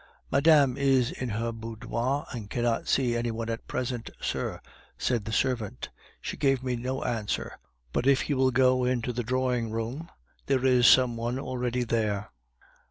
"Madame is in her boudoir, and cannot see any one at present, sir," said the servant. "She gave me no answer; but if you will go into the dining room, there is some one already there."